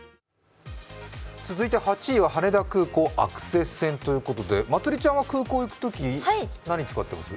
続いて８位は羽田空港アクセス線ということでまつりちゃんは空港行くとき何使ってます？